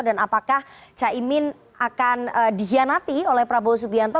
dan apakah caimin akan dihianati oleh prabowo subianto